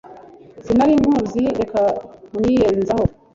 sinari nkuzi reka kunyiyenzaho